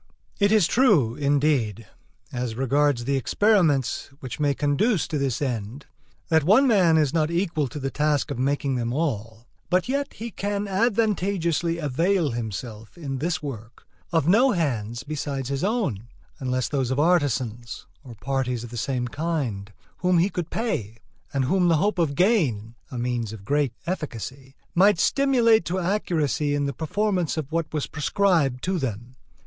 It is true, indeed, as regards the experiments which may conduce to this end, that one man is not equal to the task of making them all; but yet he can advantageously avail himself, in this work, of no hands besides his own, unless those of artisans, or parties of the same kind, whom he could pay, and whom the hope of gain (a means of great efficacy) might stimulate to accuracy in the performance of what was prescribed to them.